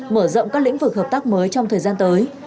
mở rộng các lĩnh vực hợp tác mới trong thời gian tới